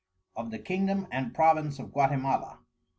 Of the Kingdom and Province of GUATIMALA.